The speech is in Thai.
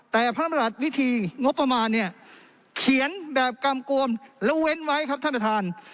แต่พระมรัติวิธีงบประมาณเนี่ยเขียนแบบกำกวมแล้วเว้นไว้ครับท่านประธาน